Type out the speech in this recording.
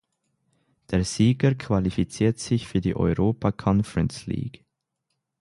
Der Sieger qualifiziert sich für die Europa Conference League.